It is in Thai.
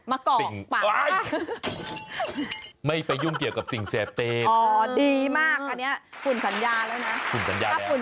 มะกอกป่าไม่ไปยุ่งเกี่ยวกับสิ่งแสบเต็มอ๋อดีมากอันนี้ฝุ่นสัญญาแล้วนะ